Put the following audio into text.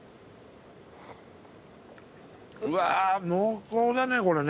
うわ濃厚だねこれね。